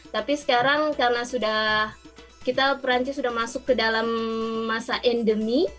tapi sekarang karena kita perancis sudah masuk ke dalam masa endemi